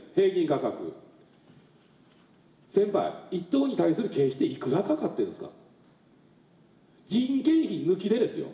先輩一頭に対する経費っていくらかかってるんですか？